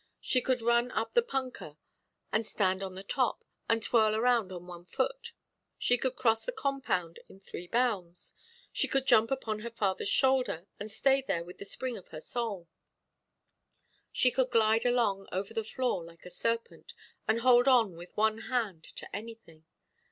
She could run up the punkah, and stand on the top, and twirl around on one foot; she could cross the compound in three bounds; she could jump upon her fatherʼs shoulder, and stay there with the spring of her sole; she could glide along over the floor like a serpent, and hold on with one hand to anything.